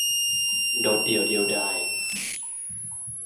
โดดเดี่ยวเดียวดาย